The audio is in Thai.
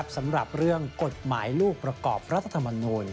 สำหรับเรื่องกฎหมายลูกประกอบรัฐธรรมนูล